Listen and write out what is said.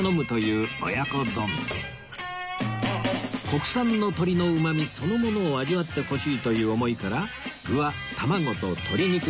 国産の鶏のうまみそのものを味わってほしいという思いから具は卵と鶏肉のみ